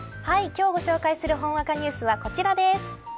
今日ご紹介するほんわかニュースはこちらです。